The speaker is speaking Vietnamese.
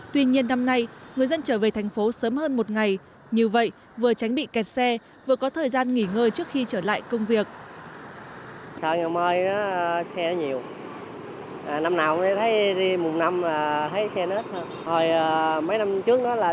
tuy nhiên năm nay người dân trở về thành phố sớm hơn một ngày như vậy vừa tránh bị kẹt xe vừa có thời gian nghỉ ngơi trước khi trở lại công việc